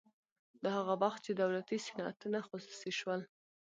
دا هغه وخت چې دولتي صنعتونه خصوصي شول